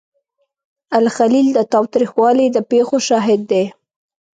الخلیل د تاوتریخوالي د پیښو شاهد دی.